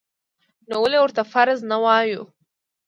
نو ولې ورته فرض نه وایو؟